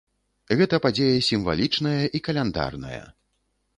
Гэта падзея сімвалічная і каляндарная.